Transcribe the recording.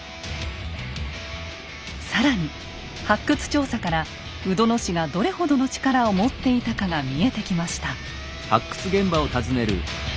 更に発掘調査から鵜殿氏がどれほどの力を持っていたかが見えてきました。